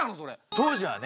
当時はね